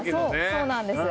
そうなんです。